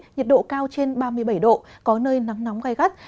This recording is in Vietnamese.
nhiệt độ cao trên ba mươi bảy độ có nơi nắng nóng gai gắt